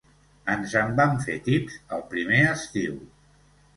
Ens en vam fer tips, el primer estiu.